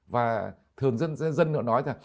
và thường dân dân dân nó nói là